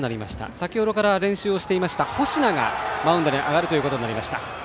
先程から練習をしていた星名がマウンドに上がることになりました。